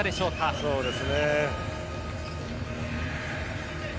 そうですね。